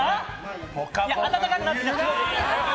暖かくなってきた。